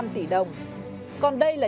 một mươi năm tỷ đồng còn đây là